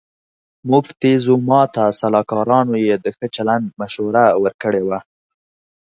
موکتیزوما ته سلاکارانو یې د ښه چلند مشوره ورکړې وه.